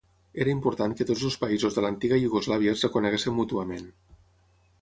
Era important que tots els països de l'antiga Iugoslàvia es reconeguessin mútuament.